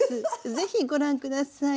是非ご覧下さい。